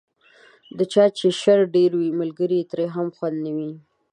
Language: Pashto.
د چا چې شر ډېر وي، ملګری یې ترې هم خوندي نه وي.